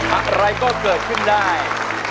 อะไรก็เกิดขึ้นได้